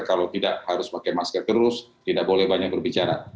kalau tidak harus pakai masker terus tidak boleh banyak berbicara